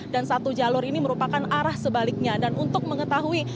dan satu jalur ini merupakan arah sebaliknya